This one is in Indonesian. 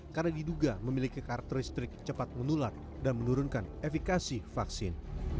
karena diduga memiliki karakteristik cepat menular dan menurunkan efikasi vaksin